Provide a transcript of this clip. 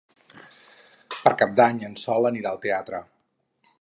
Per Cap d'Any en Sol anirà al teatre.